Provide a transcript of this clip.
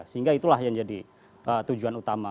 sehingga itulah yang jadi tujuan utama